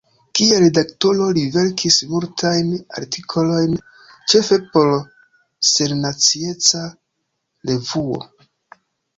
Kiel redaktoro li verkis multajn artikolojn ĉefe por “Sennacieca Revuo”.